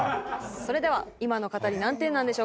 それでは今の語り何点なんでしょうか？